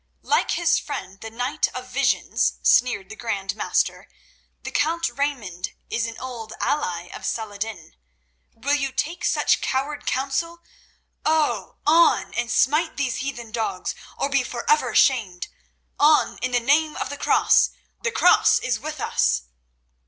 "Like his friend the knight of Visions," sneered the Grand Master, "the count Raymond is an old ally of Saladin. Will you take such coward council? On—on! and smite these heathen dogs, or be forever shamed. On, in the name of the Cross! The Cross is with us!"